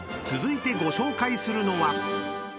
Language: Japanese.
［続いてご紹介するのは］